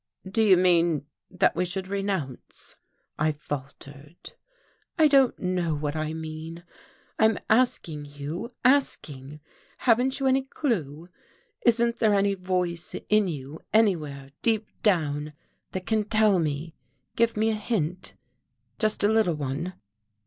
"Do you mean that we should renounce?" I faltered. "I don't know what I mean. I am asking, Hugh, asking. Haven't you any clew? Isn't there any voice in you, anywhere, deep down, that can tell me? give me a hint? just a little one?"